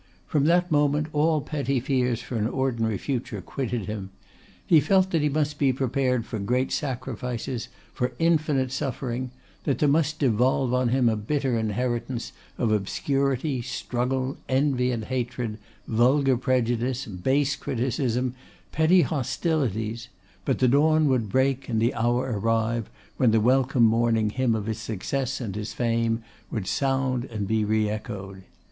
From that moment all petty fears for an ordinary future quitted him. He felt that he must be prepared for great sacrifices, for infinite suffering; that there must devolve on him a bitter inheritance of obscurity, struggle, envy, and hatred, vulgar prejudice, base criticism, petty hostilities, but the dawn would break, and the hour arrive, when the welcome morning hymn of his success and his fame would sound and be re echoed.